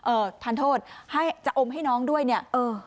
ทานโทษให้จะอมให้น้องด้วยเนี่ยเออ